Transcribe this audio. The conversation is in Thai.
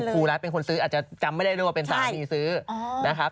ครูรัฐเป็นคนซื้ออาจจะจำไม่ได้ด้วยว่าเป็นสามีซื้อนะครับ